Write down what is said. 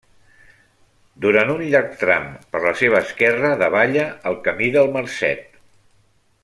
Durant un llarg tram per la seva esquerra davalla el Camí del Marcet.